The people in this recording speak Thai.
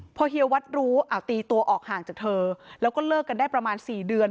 พอเฮียวัดรู้เอาตีตัวออกห่างจากเธอแล้วก็เลิกกันได้ประมาณ๔เดือน